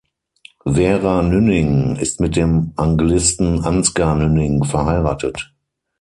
Vera Nünning ist mit dem Anglisten Ansgar Nünning verheiratet.